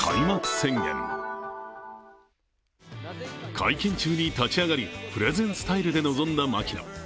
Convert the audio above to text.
会見中に立ち上がり、プレゼンスタイルで臨んだ槙野。